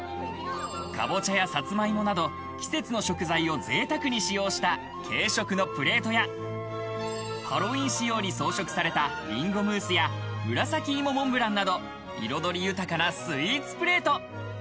カボチャやさつま芋など、季節の食材を贅沢に使用した軽食のプレートや、ハロウィーン仕様に装飾されたリンゴムースや紫芋モンブランなど、彩り豊かなスイーツプレート。